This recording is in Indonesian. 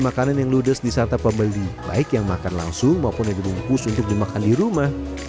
makanan yang ludes disantap pembeli baik yang makan langsung maupun yang dibungkus untuk dimakan di rumah